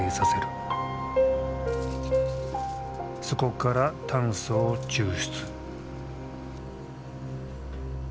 そこから炭素を抽出。